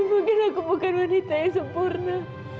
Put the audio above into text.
mungkin aku bukan wanita yang sempurna